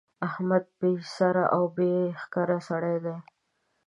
احمد بې سره او بې ښکره سړی دی.